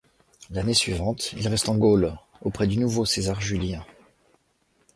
L'année suivante, il reste en Gaule, auprès du nouveau César Julien.